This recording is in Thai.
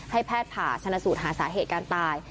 แพทย์ผ่าชนะสูตรหาสาเหตุการตาย